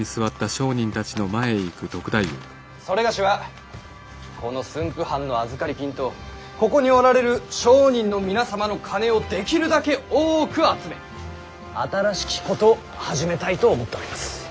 某はこの駿府藩の預かり金とここにおられる商人の皆様の金をできるだけ多く集め新しきことを始めたいと思っております。